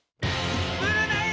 ブルネイ！